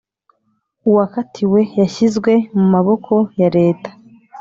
Uwakatiwe yashyizwe mu maboko ya Leta.